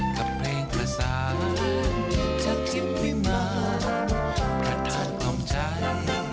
กับเพลงภาษาจะทิ้งไปมาประทานของใจ